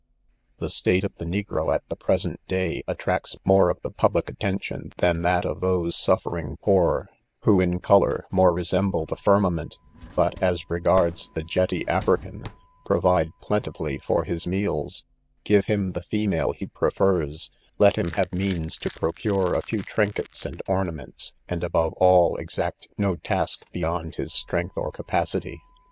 The state of the negro at the present day, attracts more of the public attention than that of those suffering poor who in colour, more resemble the firmament \ but, as regardsthe jetty African, provide plentifully for his meals \ give him the female lie prefers ; let him have means to procure a few trinkets < and ornaments, and above all, qxaet no .task be yond Ms strength or capacity.